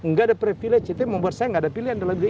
gak ada privilege itu membuat saya gak ada pilihan dalam hidup itu